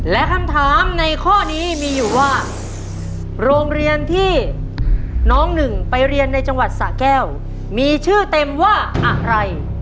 และคำถามในข้อนี้มีอยู่ว่าโรงเรียนที่น้องหนึ่งไปเรียนในจังหวัดสะแก้วมีชื่อเต็มว่าอะไร